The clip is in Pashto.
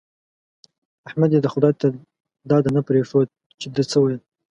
احمد دې د خدای تر داده نه پرېښود چې ده څه ويل.